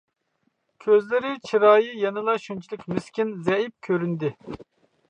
كۆزلىرى، چىرايى يەنىلا شۇنچىلىك مىسكىن، زەئىپ كۆرۈندى.